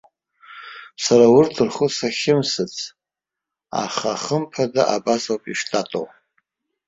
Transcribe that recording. Сара урҭ рхәы сахьымсыц, аха хымԥада абасоуп иштатоу.